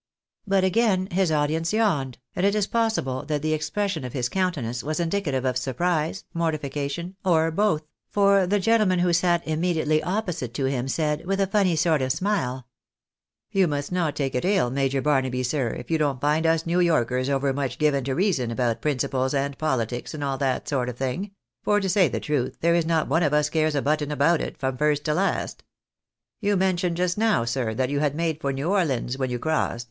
But again his audience yawned, and it is possible that the expression of his countenance was indicative of surprise, mortification, or both ; for the gentleman who sat immediately opposite to him said, with a funny sort of smile —" You must not take it ill. Major Barnaby, sir, if you don't find us New Yorkers overmuch given to reason about principles, and poUtics, and all that sort of thing ; for to say the truth, there is not one of us cares a button about it, from first to last. You men tioned just now, sir, that you had made for New Orlines when you crossed.